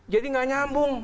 jadi nggak nyambung